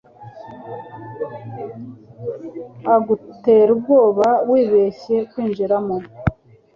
hagutera ubwoba wibeshye kwinjaramo